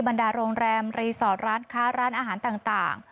ดาโรงแรมรีสอร์ทร้านค้าร้านอาหารต่าง